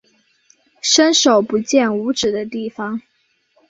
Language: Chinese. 伸手不见五指的地方